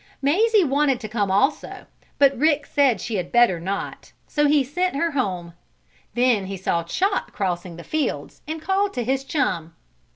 Mazie wanted to come also, but Rick said she had better not, so he sent her home. Then he saw Chot crossing the fields, and called to his chum.